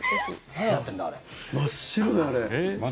真っ白だよ、あれ。